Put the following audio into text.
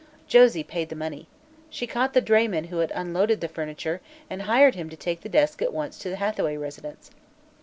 Josie paid the money. She caught the drayman who had unloaded the furniture and hired him to take the desk at once to the Hathaway residence.